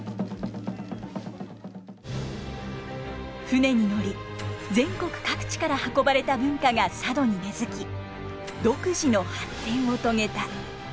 船に乗り全国各地から運ばれた文化が佐渡に根づき独自の発展を遂げた。